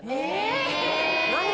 「何！？」